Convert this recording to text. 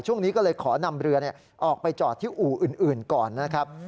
ช่วงนี้ก็เลยขอนำเรือออกไปจอดที่อู่อื่นก่อนนะครับ